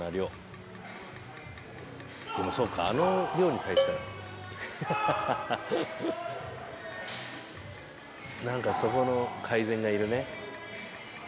でもそうかあの量に対したら。何かそこの改善がいるね。